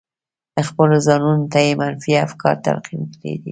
خپلو ځانونو ته يې منفي افکار تلقين کړي دي.